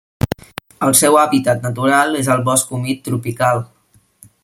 El seu hàbitat natural és al bosc humit tropical.